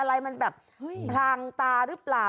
อะไรมันแบบทางตาแบบหล่า